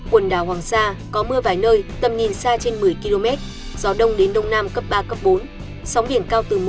quần đảo hoàng sa có mưa vài nơi tầm nhìn xa trên một mươi km gió đông đến đông nam cấp ba cấp bốn sóng biển cao từ một m